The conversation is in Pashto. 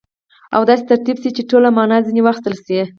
او داسي ترتیب سي، چي ټوله مانا ځني واخستل سي.